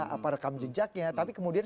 apa rekam jejaknya tapi kemudian